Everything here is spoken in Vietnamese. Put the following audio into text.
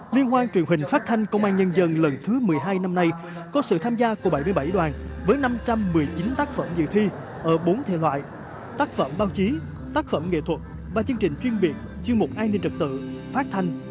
liên hoan truyền hình phát thanh công an nhân dân lần thứ một mươi hai năm nay có sự tham gia của bảy mươi bảy đoàn với năm trăm một mươi chín tác phẩm dự thi ở bốn thể loại tác phẩm báo chí tác phẩm nghệ thuật và chương trình chuyên biệt chuyên mục an ninh trật tự phát thanh